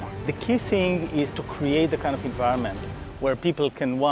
yang penting adalah menciptakan alam yang mencari kemampuan